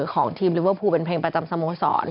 ของทีมลิเวอร์พูลเป็นเพลงประจำสโมสร